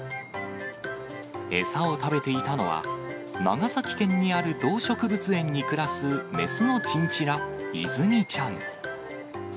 餌を食べていたのは、長崎県にある動植物園に暮らす、雌のチンチラ、いずみちゃん。